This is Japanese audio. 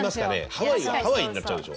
ハワイはハワイになっちゃうでしょ。